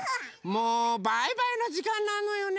もうバイバイのじかんなのよね。